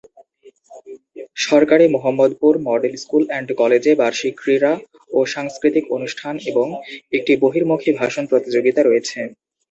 সরকারি Mohammadpur model school and কলেজে বার্ষিক ক্রীড়া ও সাংস্কৃতিক অনুষ্ঠান এবং একটি বহির্মুখী ভাষণ প্রতিযোগিতা রয়েছে।